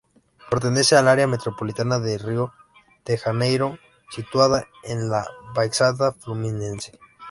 Pertenece al área metropolitana de Río de Janeiro, situada en la Baixada Fluminense.